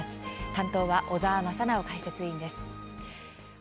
担当は小澤正修解説委員です。